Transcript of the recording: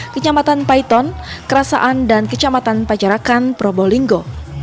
kecamatan paiton kerasaan dan kecamatan pajarakan probolinggo